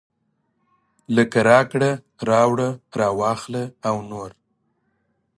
لکه راکړه راوړه راواخله او نور.